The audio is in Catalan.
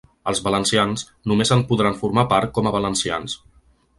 Els valencians només en podran formar part com a valencians.